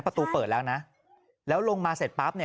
ประตูเปิดแล้วนะแล้วลงมาเสร็จปั๊บเนี่ย